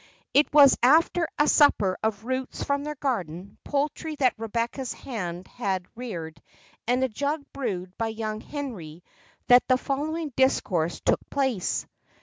It was after a supper of roots from their garden, poultry that Rebecca's hand had reared, and a jug brewed by young Henry, that the following discourse took place.